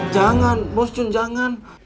jangan bos jun jangan